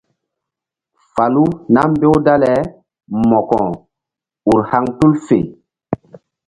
Falu nam mbew dale mo̧ko ur haŋ tul fe.